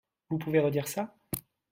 Vous pouvez redire ça ?